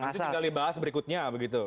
nanti tinggal dibahas berikutnya begitu